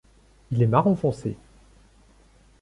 Il est marron foncé.